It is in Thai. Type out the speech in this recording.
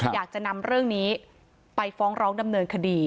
อยากจะนำเรื่องนี้ไปฟ้องร้องดำเนินคดี